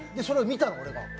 それを見たの、俺が。